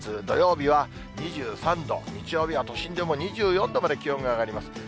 土曜日は２３度、日曜日は都心でも２４度まで気温が上がります。